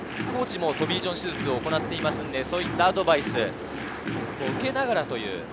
コーチもトミー・ジョン手術を行っていますので、そういったアドバイスを受けながらという。